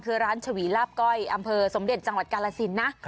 คือร้านฉวีลาบก้อยอำเภอสมเด็จจังหวัดกาลสินนะ